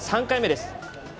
３回目です。